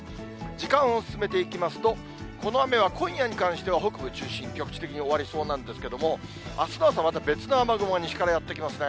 時間を進めていきますと、この雨は今夜に関しては北部を中心に局地的に終わりそうなんですけれども、あすの朝また別の雨雲が西からやって来ますね。